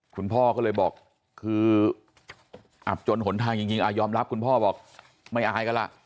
คุณพ่อก็เลยบอกคืออับจนหนทางจริงยอมรับคุณพ่อบอกไม่อายกันล่ะ